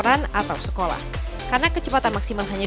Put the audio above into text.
dan bagaimana kita tahu kecepatan mobil ini